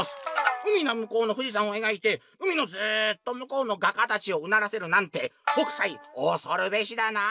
「海のむこうの富士山をえがいて海のずっとむこうの画家たちをうならせるなんて北斎おそるべしだな」。